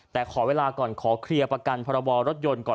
แต่ขอเวลาก่อนขอเคลียร์ประกันพรบรถยนต์ก่อน